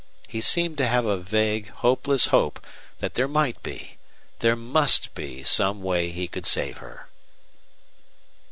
He seemed to have a vague, hopeless hope that there might be, there must be, some way he could save her.